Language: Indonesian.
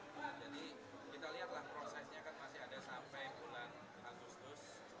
nah jadi kita lihatlah prosesnya kan masih ada sampai bulan agustus